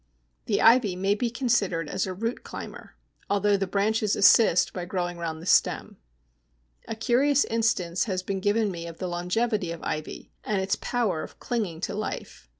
The ivy may be considered as a root climber, although the branches assist by growing round the stem. A curious instance has been given me of the longevity of ivy and its power of clinging to life.